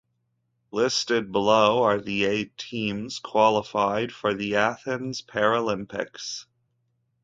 Listed below are the eight teams qualified for the Athens Paralympics.